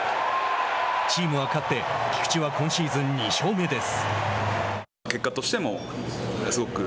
チームは勝って菊池は今シーズン２勝目です。